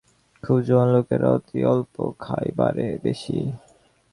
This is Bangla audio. খুব জোয়ান লোকেরাও অতি অল্প খায়, বারে বেশী।